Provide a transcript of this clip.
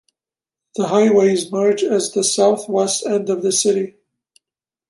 The highways merge as the southwest end of the city.